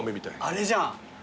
あれじゃん。